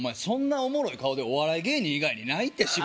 そんなおもろい顔でお笑い芸人以外にないって